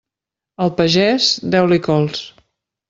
Al pagès, deu-li cols.